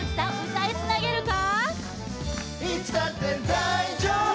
歌いつなげるか？